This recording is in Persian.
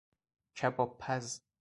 کبابپز